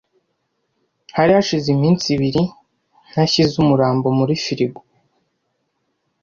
Hari hashize iminsi ibiri ntashyize umurambo muri firigo.